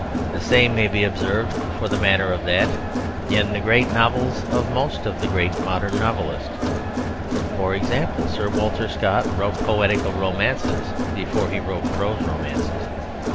The same may be observed, for the matter of that, in the great novels of most of the great modern novelists. For example, Sir Walter Scott wrote poetical romances before he wrote prose romances.